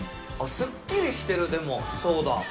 すっきりしてる、でも、ソーダ。